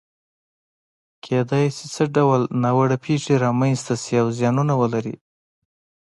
کېدای شي څه ډول ناوړه پېښې رامنځته شي او زیانونه ولري؟